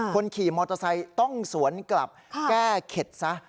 คนขี่มอเตอร์ไซค์ต้องสวนกลับแก้เข็ดซะ